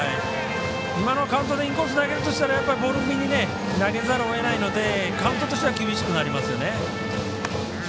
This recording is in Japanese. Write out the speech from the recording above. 今のカウントでインコースを投げるとしたらボール気味に投げざるをえないのでカウントとしては厳しくなりますよね。